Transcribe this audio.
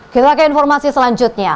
kita ke informasi selanjutnya